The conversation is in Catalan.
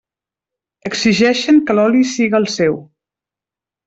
Exigeixen que l'oli siga el seu.